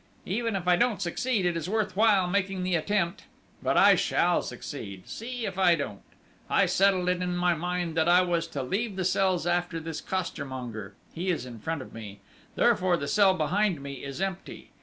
"Even if I don't succeed, it is worth while making the attempt!... But I shall succeed see if I don't!... I settled it in my mind that I was to leave the cells after this costermonger: he is in front of me, therefore the cell behind me is empty.